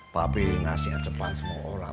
papi nasinya depan semua orang